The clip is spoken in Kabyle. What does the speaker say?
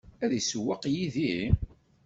Ad isewweq yid-i?